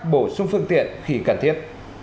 bổ sung phương tiện khi cần thiết